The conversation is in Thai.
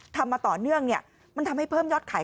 ทำมาต่อเนื่องมันทำให้เพิ่มยอดขาย